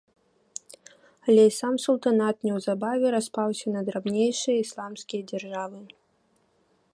Але і сам султанат неўзабаве распаўся на драбнейшыя ісламскія дзяржавы.